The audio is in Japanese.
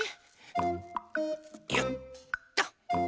よっと。